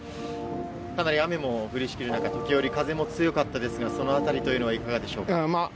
かなり雨も降りしきる中、時おり風も強かったですが、そのあたりいかがでしたか？